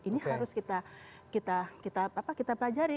ini harus kita pelajari